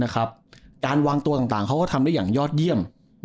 การวางตัวต่างเขาก็ทำได้อย่างยอดเยี่ยม